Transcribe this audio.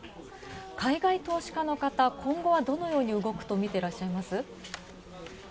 海外投資家の方、今後はどのように動くとみてらっしゃいます？